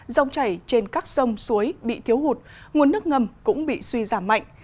dòng chảy trên các sông suối bị thiếu hụt nguồn nước ngầm cũng bị suy giảm mạnh